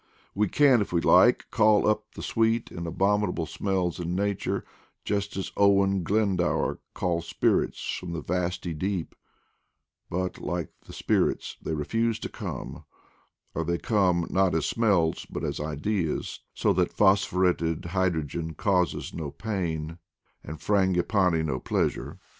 We can, if we like, call up all the sweet and abom inable smells in nature, just as Owen Glendower called spirits from the vasty deep, but, like the spirits, they refuse to come; or they come not as smells but as ideas, so that phosphuretted hydro gen causes no pain, and frangipani no pleasure.